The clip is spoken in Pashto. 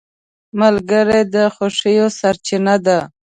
ملګری د خوښیو سرچینه ده